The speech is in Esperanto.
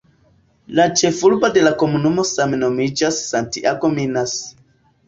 La ĉefurbo de la komunumo same nomiĝas "Santiago Minas".